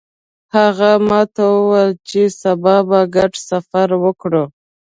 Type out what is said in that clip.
هغه ماته وویل چې سبا به ګډ سفر وکړو